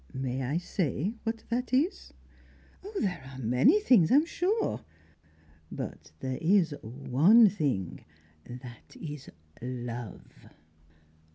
May I say what that is?" "There are many things, I am sure " "But there is one thing that is Love!"